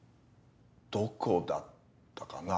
どこだったかな？